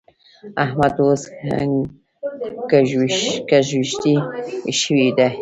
احمد اوس ګږوېښتی شوی دی.